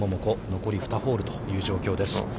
残り２ホールという状況です。